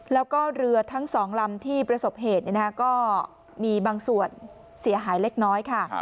แล้วก็เรือทั้งสองลำที่ประสบเหตุก็มีบางส่วนเสียหายเล็กน้อยค่ะ